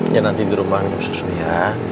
ya nanti di rumah nyum susu ya